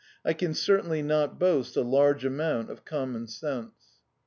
I can certainly not boast a taige amount of ctxnmon sense.